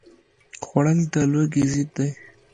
خوړل د لوږې ضد دی